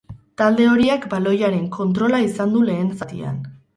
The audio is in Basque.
Talde horiak baloiaren kontrola izan du lehen zatian.